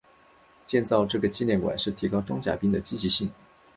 建造这个纪念馆是提高装甲兵的积极性。